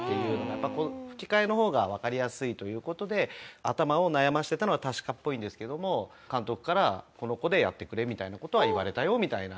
やっぱ吹き替えの方がわかりやすいという事で頭を悩ましてたのは確かっぽいんですけども監督から「この子でやってくれ」みたいな事は言われたよみたいな。